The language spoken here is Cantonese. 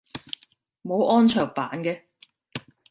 冇安卓版嘅？